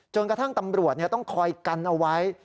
จนกระทั่งตำรวจต้องคอยกันเอาไว้